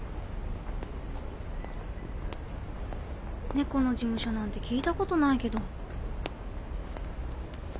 ・猫の事務所なんて聞いたことないけど